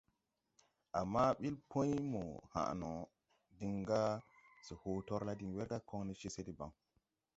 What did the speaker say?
Ama ɓil Pũy mo haʼ no diŋ ga se hoo torla diŋ werga koŋne ce se debaŋ.